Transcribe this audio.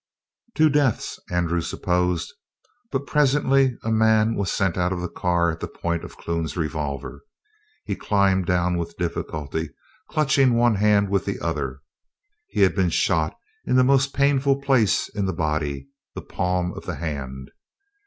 Two deaths, Andrew supposed. But presently a man was sent out of the car at the point of Clune's revolver. He climbed down with difficulty, clutching one hand with the other. He had been shot in the most painful place in the body the palm of the hand.